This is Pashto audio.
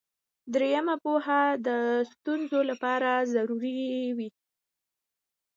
دریمه پوهه د ستونزې لپاره ضروري وي.